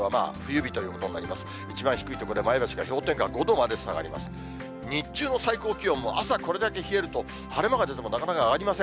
日中の最高気温も、朝これだけ冷えると、晴れ間が出てもなかなか上がりません。